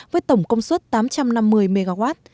với tổng công suất tám trăm năm mươi mw